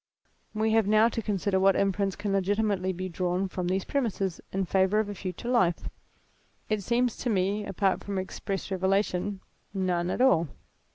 "We have now to consider what inference can legitimately be drawn from these premises, in favour of a future life. It seems to me, apart from express revelation, none at all.